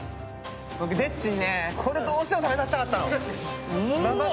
僕、でっちにねどうしても食べさせたかったの。